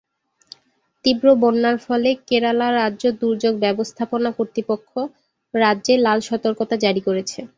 তীব্র বন্যার ফলে "কেরালা রাজ্য দুর্যোগ ব্যবস্থাপনা কর্তৃপক্ষ" রাজ্যে লাল সতর্কতা জারি করেছে।